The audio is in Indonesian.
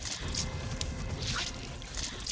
ada belakangan teluk